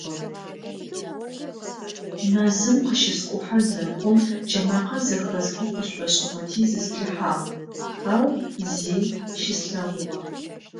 Мэзым къыщыскӀухьэ зэхъум джэмакъэ зэхэсхэу къысшӀошӀыгъэти зысплъыхьагъ, ау зи щыслъэгъугъэп.